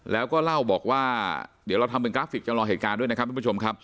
แล้วก็เล่าบอกว่าเดี๋ยวเราทำเป็นกราฟิกจำลองเหตุการณ์ด้วยนะครับทุกผู้ชมครับ